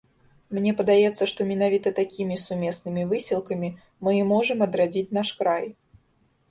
Мне падаецца, што менавіта такімі сумеснымі высілкамі мы і можам адрадзіць наш край.